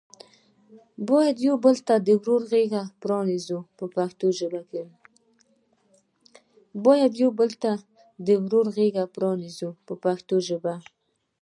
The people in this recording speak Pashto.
باید یو بل ته د ورورۍ غېږه پرانیزو په پښتو ژبه.